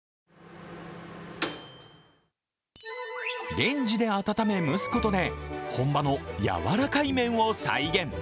レンジで温め、蒸すことで本場のやわらかい麺を再現。